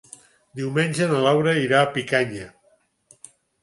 Diumenge na Laura irà a Picanya.